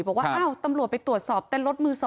บอกว่าอ้าวตำรวจไปตรวจสอบเต้นรถมือ๒